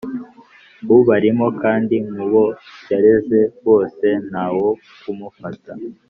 Ubarimo kandi mu bo yareze bose nta wo kumufata